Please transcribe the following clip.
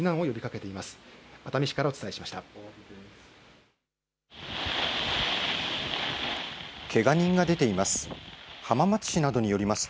けが人が出ています。